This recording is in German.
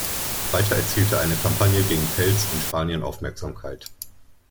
Weiter erzielte eine Kampagne gegen Pelz in Spanien Aufmerksamkeit.